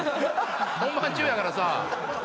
本番中やからさ。